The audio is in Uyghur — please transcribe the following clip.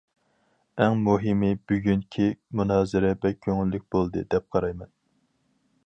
ئەڭ مۇھىمى بۈگۈنكى مۇنازىرە بەك كۆڭۈللۈك بولدى، دەپ قارايمەن.